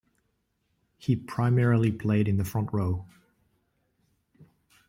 He primarily played in the front-row.